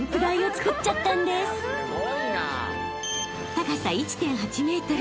［高さ１．８ｍ］